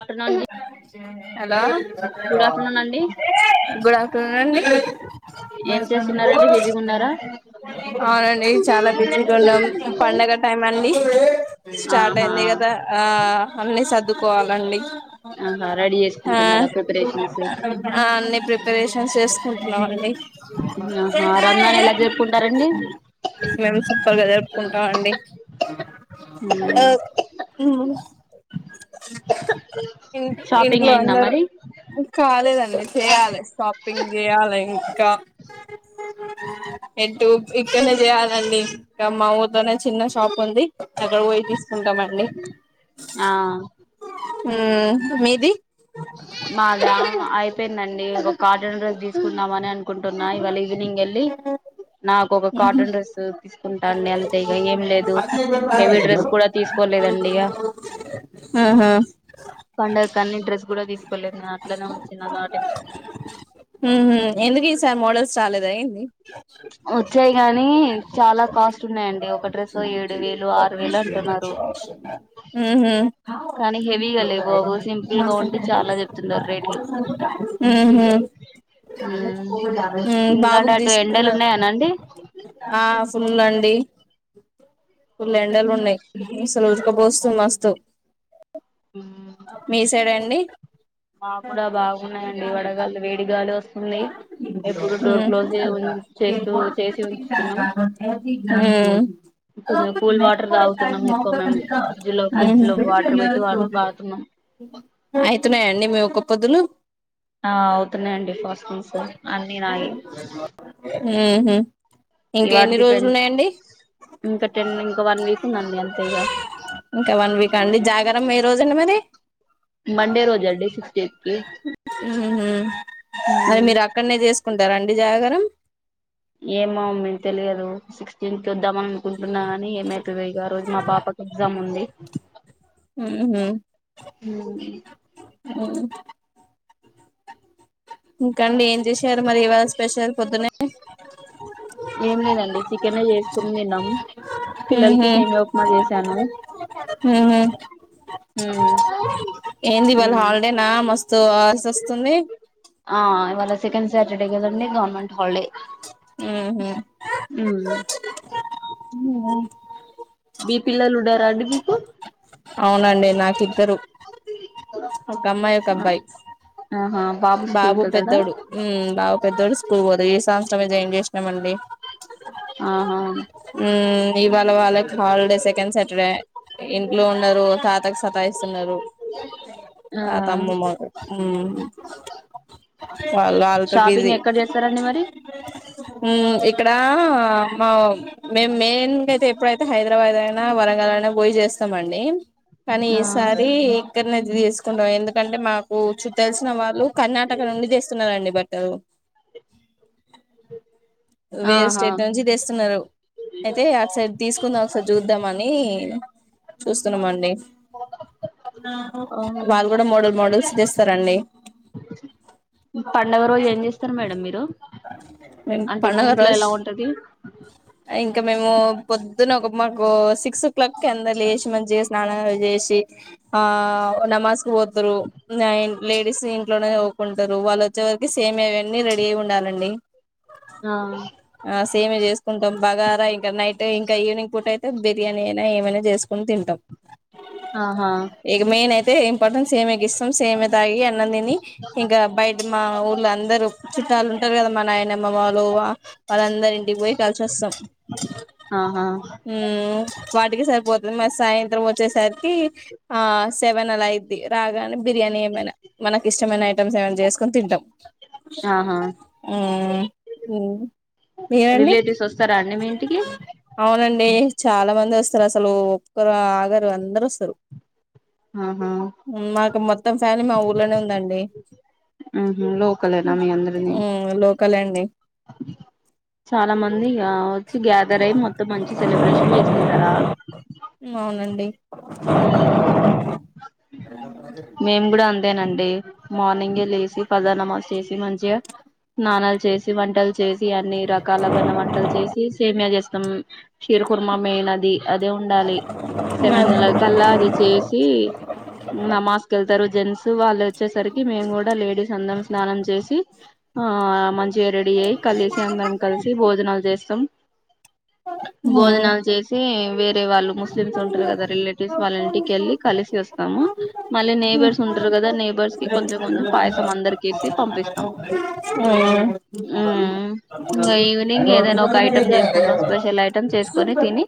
Afternoon hello good afternoon అండి good afternoon and అ ఏం చేస్తున్నారండి బిజీగా ఉన్నారా అవునండి చాలా బిజీగా ఉన్నాం పండగ టైం అండి స్టార్ట్ ఆహా అయింది గదా ఆ అన్ని సర్దుకోవాలండి. ఆహా రెడీ ఆ చేసుకుంటున్నారా ప్రిపరేషన్స్ ఆన్నే ప్రిపరేషన్స్ చేసుకుంటుంన్నావ్ ఆహా రంజాన్ ఎలా జరుపుకుంటారండి మేము సూపర్ గా జరుపుకుంటాం అండి. ఉమ్, ఆ ఊమ్ ఇంటి షాపింగ్ ఇంట్లో అయిందా అందరు మరి కాలేదండి. చేయాలి షాపింగ్ చేయ్యాలి ఇం ఇంకా ఎటు ఇక్కన్నే చేయాలండి ఇంకా మా ఊర్లో నే చిన్న షాప్ ఉంది. అక్కడ పోయి తీసుకుంటామండి. ఆ ఊమ్ మీది? మాదా అయిపోయిందండి ఒక కాటన్ డ్రెస్ తీస్కుందామని అన్ కుంటున్నా ఇవ్వాళ ఈవినింగ్ వెళ్ళి నా ఒక కాటన్ డ్రెస్ తీసుకుంటాండి ఎంత్ కూడా తీసుకోలేదండి ఇక ఆహ కాని డ్రెస్ గూడ తీసుకోలేదు ఇంగ అట్లనే ఉంచినా వాటిని. సాల్లేదా ఏంది? అర్ నచ్చాయి గానీ చాలా కాస్ట్ ఉన్నాయండి ఒక డ్రెస్ ఏడు వేలు ఆర్ ఊ హుమ్ కానీ హెవీగా లేవు అవు సింపుల్ గా ఉంటే చాలా చెప్తున్నారు రేట్లు. హూమ్ ఇంగా అండి బాబుకి అటు ఎండలు తీసుకున్నారు ఉన్నాయా అండి. ఆ ఫుల్లు అండి. ఫుల్లు ఎండలు ఉన్నాయ్. ఉజక పోస్తుంది మస్తు. మీ సైడ్ ఐనా నీ మాగ్గుడ బాగున్నాయండి. వడగాలులు వేడి గాలి వస్ స్తుంది. ఎప్పుడు డోర్ క్లోజే ఉం చేస్తూ చేసి ఉంచుతున్నాం. హూమ్ కొంచెం ఊహు కూల్ వాటర్ తాగుతున్నాం ఎక్కువ మేము ఫ్రిడ్జ్ లో ఫ్రిడ్జ్ లో వాటర్ పెట్టి తాగుతున్నాం అయితున్నాయా అండి మీ ఒక్క కొదులు ఆ అవుతున్నాయండీ ఫస్ అన్నినాయే ఉహు ఇంకా ఎన్ని రోజులున్నయండీ ఇంకా టెన్ ఇంకా వన్ వీక్ ఉందండి అంతే ఇగ ఇంకా వన్ వీక్ అండి జాగారం ఏ రోజు అండి మరీ మండే రోజే అండీ సిక్స్టిన్ కీ ఉహు మరి మీరు అక్కన్నే చేసుకుంటారా అండీ జాగారం ఏమో మేము తెలియదూ సిక్స్టింత్ వద్దామని అనుకుంటున్నా కానీ ఏమైతదో ఇగా ఆ రోజు మా పాపకి ఎగ్జామ్ ఉందీ ఉహు ఊహు ఊ ఉ కర్రీ ఏం చేశారు మరి ఇవాళ స్పెషల్ పొద్దున్నే అ ఏం లేదండీ చికెనే చేసుకుని తిన్నాం పిల్లలకి ఉహు సేమ్యా ఉక్మా చేసాను ఉహు ఊ ఏంది వాళ హాలిడేనా మస్తు అల్సి వస్తుంది లా సెకండ్ సాటర్డే కదండి గవర్నమెంట్ హాలిడే మ్మ్ మీ ఉ పిల్లలు ఉడ రా అండిపిపు అవునండి నాకు చెరు ఒక అమ్మాయి ఒక అబ్బాయి ఆహా స్కూల్ బాబు కెళ్తాడా పెద్దోడు బాబు పెద్దోడు స్కూల్ పోదు ఈ సంత్సర ఏం చేసినామండి ఆా ఇవవాళ వాళ్ళక్ హాలిడే సెకండ్ స ఇక్కడే ఇంట్లో ఉన్నారు తాతకు సతాయిస్తున్నారు ఆ తాత అమ్మ మాకు వాళ్ళ వాళ్ళతో షాపింగ్ బిజీ ఎక్కడ చేస్తారండి మరి ఇక్కడ మా మే మెయిన్ గాయితే ఎప్పుడైతే హైదరాబాద్ అయినా వరంగల అైనా పోయి చేస్త సమండి కానీ ఆ ఈసారి కది వండ ఎందుకంటే మా చు తెల్సిన వాళ్ళు కర్ణాటక నుండి తీస్తున్నారంండి బట్ అ అ వేరే స్టేట్ నుంచి తెస్తున్నారు అయితే ఒకసైడ్ తీసుకుందాం ఒకసారి చూద్దామని చూస్తున్నామండి ఓహో వాళ్ళు కూడా మోడల్ మోడల్స్ చేస్తారంండి పండగ రోజు ఏం చేస్తారు మేడం మీరు అంటే మీ పండుగ ఇంట్లో రోజు ఎలా ఉంటది ఇంకా మేము పొద్దున్న ఒక మాకు స సిక్స్ ఓ క్లాక్ ఎంతా లేేష్మంజ స్నా చేసి ఆ నమాజ్క్ పోతారు లేడీస్ ఇంట్లోనే పోకుంటారు వాళ్ళు వచ్చే వరకి సేమ్ అవన్నీ రెడీ అయి ఉండాలండి ఆ ఆ సేమి చేసుకుంటాం బాగా ఇంకా నైట్ ఇంకా ఈవినింగ్ పూట అయితే బిర్యానీ అయినా ఏమైనా చేసుకుని తింటాం ఆహా ఇక మెయిన్ ఇంపార్టెన్స్ ఏమే ఇ సేమె తాగి అన్న తిని ఇంకా బయట మా ఊళ్ళ అందరుూ చిట్టాలు ఉంటారు కదా మా నాయనమ్మ వాళ్ళు వాళ్ళందరి ఇంటికి పోయి కలిసి వస్తాం ఆహా హ వాటికి సరిపోతుంది మ సాయంత్రం వచ్చేసరికి ఆ సెవ ఏవనా అలా అద్ది రాగానే బిర్యానీ ఏమైనా మనకి ఇష్టమైన ఐటమ్స్ ఏమైనా చేసుకుొని తిాం ఆహా ఆ మీరండి రిలేటివ్స్ వస్తారా అండి మీ ఇంటికి అవునండి అండి చాలా మంది వస్తారు అసలు ఒక్కరు ఆగరు అందరు వస్తారు ఆహా మాకు మొత్తం ఫ్యామి మా ఊర్లోనే ఉందండి లోకల్నా మీ అందరిని ఉమ్ లోకలే అండి చాలా మంది మ గ్యాదర్ అయి మొత్తం మంచి సెలబ్రేషన్ చేసుకుంటారా అవునండి మేము కూడా అ అేనండి మార్నింగ్ లేసి పదానమాజ చేసి మంచిగా స్నానాలు చేసి వంటలు చేసి అన్ని రకాల బన్న వంటలు చేసి సేమయా చే సీకుర్మ మేనది అదే ఉండాలి సెవెన్ మాది లాక్ కల్లా అది చేసి నమాజ్ వెళ్తారు జెంట్స్ వాళ్ళు వచ్చేసరికి మేము కూడా లేడీస్ అ ం స్నానం చేసి ఆ మంచి జేరెడీ అయ్యి కలిసి అందరం కలిసి భోజనాలు చేస్తాం భోజనాలు చేసి వేరే వాళ్ళు ముస్లిమ్స్ ఉంటారు కదా రిలేటివ్స్ వాళ్ళ ఇంటికి వెళ్ళి కలిసి వస్తాము మళ్ళీ నేబర్స్ ఉంటారు కదా నేబర్స్ కి కొంచెం కొంచెం పాయసం అందరికసి పంపిస్తాం ఇంకా ఈవినింగ్ ఏదైనా ఒక ఐటెం చేసుకుంట స్పెషల్ ఐటమ్ చేసుకొని తిని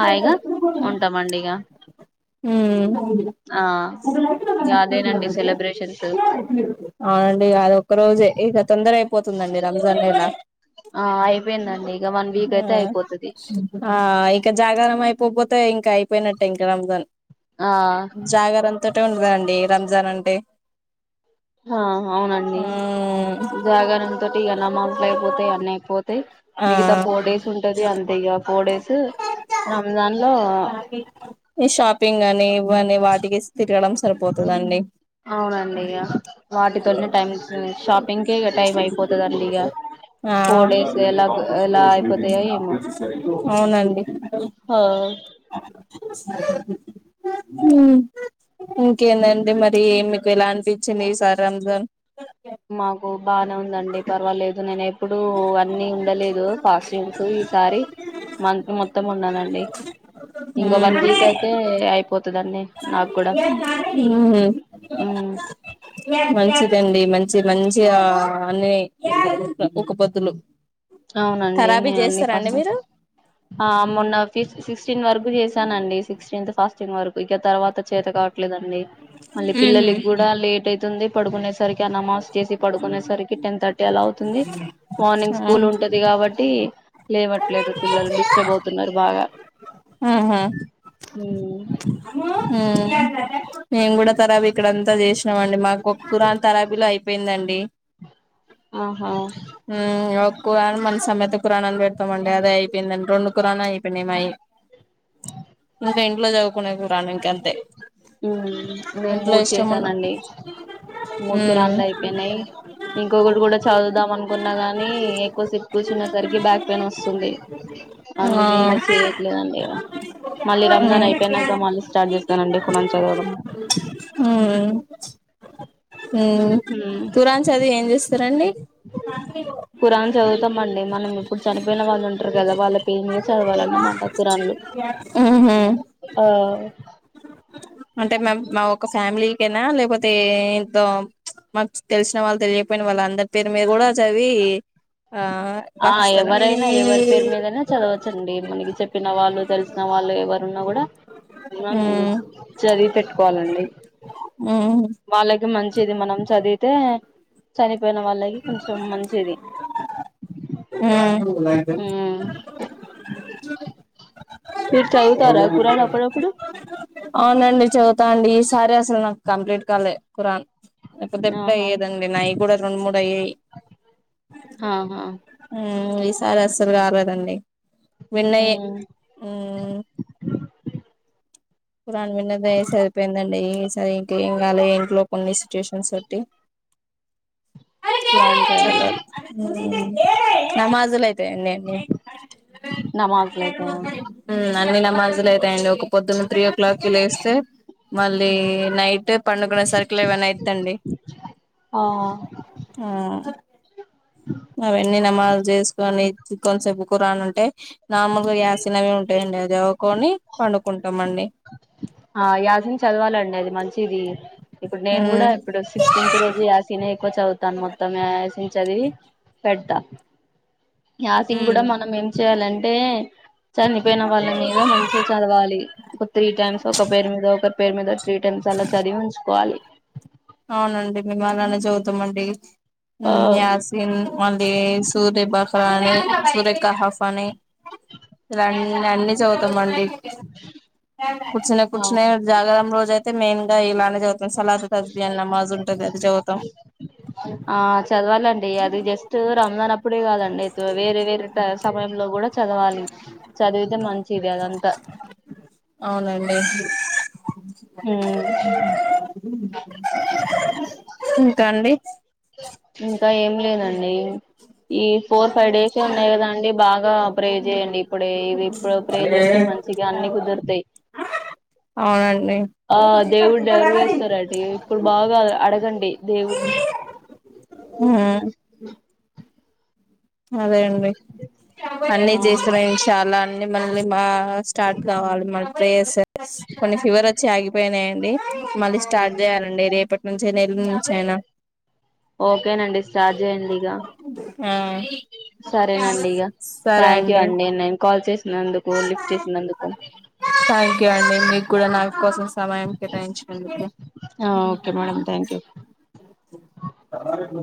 హాయిగా ఉమ్ ఉంటామండి ఇగ ఆ ఇగ అదేనండి సెలబ్రేషన్స్ అవునండి అది ఒక్క రోజే ఇక తొందర అయిపోతుందండి రంజాన్లా ఆ అయిపోయిందండి ఇగ వన్ వీక్ అయితే అయిపోతది ఇక జాగారం పోపోతే ఇంకా అయిపోయినట్టే ఇంకా రామ్జన్ ఆ [unintelligible] కదండి రంజాన్ అంటే ఆ అవునండి మ్మ్ జాగర తోటి ఎలా మసలుయిపోతా అన్నీ అయిపోతా ఆ మిగతా ఫోర్ డేస్ ఉంటది అంత ఇ్యా ఫోర్ డేస్ రంజాన్గా ఈ షాపింగ్ అని ఇవన్నీ వాటికి తిరగడం సరిపోతుందండి అవునండి ఇక వాటితోనే టైం షాపింగ్ కి ఇక టైం అయిపోతుందండి ఇక ఆ ఫోర్ డేస్ ఎలా ఎలా అయిపోతాయో ఏమో అవునండి ఆ ఇంకేందండి మరి మీకు ఎలా అంటిచ్చింది సారాంజోన్ మాకు ఇప్పుడు అన్నీ ఉండలేదు కాస్టూమ్స్ ఈసారి మంత్ మొత్తం ఉన్నానండి ఇంక వన్ వీక్ అయితే అయిపోతుందండి నాకు కూడా మంచిదండి మంచి మంచి గా అన్ని ఒక పొద్దులు అవునండి ఖరాబీ నేనండి చేస్తారా పస అండి మీరు మొన్న ఫ సిక్స్టీన్ వరకు చే ాన అండి సిక్స్టీన్త్ ఫాస్ట్టీన్ వరకు ఇక తర్వాత చేత కావట్లేదండి మళ్ళీ పిల్లలకి కూడా లేట్ అయితుంది పడుగునే సార్ క్యా నమాస్ చేసి పడుకునేసరికి టెన్ థర్టీ ఎలా అవుతుంది మార్నింగ్స్ ఆ స్కూల్ ఉంటది కాబట్టి లేవటు లేదు పిల్లలు డిస్టర్బ్ అవుతున్నారు బాగ ఉ హు మేం కూడా తరాబీ ఇక్కడంతా చేసినాం అండి మాకు ఒక కురాన్ తరాబీలో అయిపోయిందండి ఆహా కురాణ మన సమేత కుఖరానాని పెడతామండి అదే అయిపోయిందండి రెండు కుురానా అయిపోయినాయిమయి ఇంకా ఇంట్లో చదువుకునే అంతే [inaudible] నేను ఇంట్లో మూడు ఇష్టమున్న చేసానండి మ్మ్ మూడుకురన్లు అయిపోయినాయి ఇంకొకటి కూడా చదువుదాం అనుకున్నా గాని ఎక్కువ సేపు కూర్చునే సరికి బ్యాక్ పెయిన్ వస్తుంది ఆ అందుకే ఇక చేయట్లేదండి మళ్ళీ రంజాన్ అయిపోయినాక మ స్టార్ట్ చేస్తానండి కొ ఉమ్ హ చదివి ఏం చేస్తారండి కుఖరాన్ చదువుతాంఅండి మనం ఇప్పుడు చనిపోయిన వాళ్ళు ఉంటారు కదా వాళ్ళ పేరు మీద చదవాలన్నమాట కుఖరాన్లు మ్మ్ హ్మ్ ఆ ఆ అంటే మ మా ఒక ఫ్యామిలీకైనా లేకపోతే ఇంత మాకు తెలిసిన వాళ్ళు తెలియపోయిన వాళ్ళు అందరి పేరు మీరు కూడా చదివి ఆ ఆ పాకిస్తారా ఎవరైనా ఎవరి పేరు మీదైనా చదవచ్చండి మనకి చెప్పిన వాళ్ళు తెలిసిన వాళ్ళు ఎవరున్నా కూడా ఉమ్ మ్మ్ చదివి పెట్టుకోవాలండి మ్మ్ వాళ్ళకి మంచిది మనం చదివి అంటే చని పోయిన వాళ్ళవి కొంచెం మంచిది హ్మ్ హ్మ్ మీరు చదువుతారా ఖురాన్ అప్పుడప్పుడు అవునండి చె తాడి ఈసారి అసలు కంప్లీట్ కాలే ఖురాన్ పెద్ద పెద్ద ఆహా అయ్యేదండి నవి కూడా రెండు మూడు అయినాయి అ హ్మ్ ఈసారి అస్సలు కాలేదండి వెన్నయే హుమ్మ్ ఖురాన్ మిందే దయ్ సరపోయిందండి సరే ఏంటి ఏం కాలే ఎం ప్రూఫ్ ఉంది సిచ్యుయేషన్స్ తొట్టి ఖురాన్ చదవం అరేయ్ నమస్ ఎట్ అండి [inaudible] నమాజ్లయితయా [unintelligible] అన్న నమస్లు అయితయి అండి ఒక పొద్దున్న త్రీ ఓ క్లాక్ లేస్తే మళ్ళీ నైట్ పండుకునే సరికి లెవెన్ అయిదండి ఆ ఆ అవ్వని నామజ్ లు చేసుకొని చుక్కల్ సపు కూరను ఉంటే నార్మల్ గా గ్యాసినవి ఉంటాయండి అది సదువుకొని పండుకుంటామండి ఆ యాసిన్ చదవాలండి అది మంచిది ఇప్పుడు నేను కూడా ఉమ్ ఇప్పుడు సిక్స్టెంత్ నుండి యాసిన్ నీ చవుతాను మొత్తం అస్టిస్ట్ చదివి పెడ్తా యాసింగ్ కూడా మనం ఏం చేయాలంటే చనిపోయిన వాళ్ళ మీద మంచిగా చదవాలి త్రీ టైమ్స్ ఒక పేరు మీద ఒకరి పేరు మీద త్రీ టైమ్స్ అలా చదివి హూ కోవాలి అవునండి మేము అలానే చదుతాం అండి ఆ హుమ్మ్ యాసిన్ మళ్ళీ సూర్య బకా అని సూర్యకా పని ఇలాన్నీ అన్ని చదుతాం అండి కూర్చునే కూర్చునే అవును జాగరం రోజ అయితే మెయిన్ ఇలానే సదవుతా సంత్కాలి ఆ చదవాలండి అది జస్ట్ రంజాన్ అప్పుడే కాదండి వేరే వేరే సమయంలో కూడా చదవాలి చదివితే మంచిది అదంతా అవునండి. ఉమ్ [inaudible] ఇంకా అండి ఇంకా ఏం లేదండి ఈ ఫోర్ ఫైవ్ డేస్ ఉన్నాయి కదా అండి బాగా ఆ ప్రే చేయండి ఇప్పుడు ఇది ఇప్పుడు ప్రే చేస్తే మంచిగా అన్నిీ కుదురుతాయి అవునండి ఆ దేవుడు నెరవేరుస్తారండి ఇప్పుడు బాగా అడగండి దేవుడు ని ఆ అదే అండి అన్నిీ ఆ చేస్తున్నా చాలా మళ్లీ మా స్టార్ట్ కావాలి మళ్ళీ ప్రేయర్స్ కొన్ని ఫీవర్ వచ్చి ఆగిపోయినాయండి మళ్ళీ స్టార్ట్ చేయాలండి రేపటి నుంచి ఎల్లుండి నించియైన ఓకేనండి స్టార్ట్ చేయండి ఇగ ఆ సరేనండి ఇగ థ్యాంక్ యూ అండి నేను అందుకు లిఫ్ట్ చేసి నందుకు మీ కూడ నాకు కోసం సమయం ఆ ఓకే మేడం థ్యాంక్ యూ కేటాయించినందుకు